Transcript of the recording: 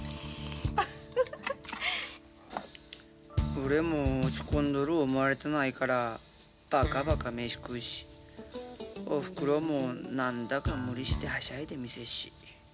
俺も落ち込んどる思われたないからバカバカ飯食うしおふくろも何だか無理してはしゃいで見せっし。